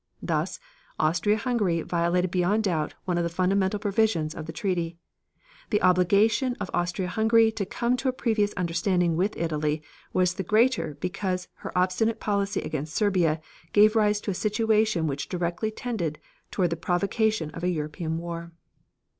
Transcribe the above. Thus, Austria Hungary violated beyond doubt one of the fundamental provisions of the treaty. The obligation of Austria Hungary to come to a previous understanding with Italy was the greater because her obstinate policy against Serbia gave rise to a situation which directly tended toward the provocation of a European war.